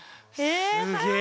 すげえ。